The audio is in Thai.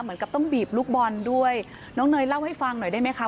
เหมือนกับต้องบีบลูกบอลด้วยน้องเนยเล่าให้ฟังหน่อยได้ไหมคะ